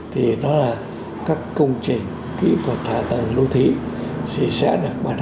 thì đó là các công trình kỹ thuật hạ tầng lưu thí sẽ được ban hành